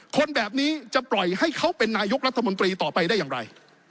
คนแบบนี้จะปล่อยให้เขาเป็นนายกรัฐมนตรีต่อไปได้อย่างไร